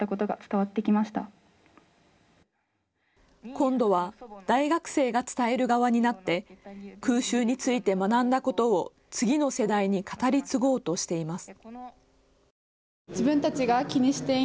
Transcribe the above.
今度は大学生が伝える側になって空襲について学んだことを次の世代に語り継ごうとしています。